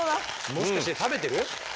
もしかして食べてる？